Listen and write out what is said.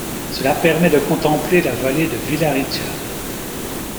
Cela permet de contempler la vallée de Vilariça.